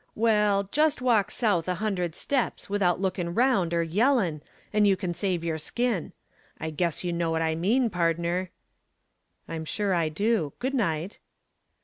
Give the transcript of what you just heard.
"Well, just walk south a hundred steps without lookin' 'round er yellin' and you kin save your skin. I guess you know what I mean, pardner." "I'm sure I do. Good night."